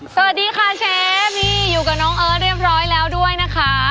สวัสดีค่ะเชฟนี่อยู่กับน้องเอิร์ทเรียบร้อยแล้วด้วยนะคะ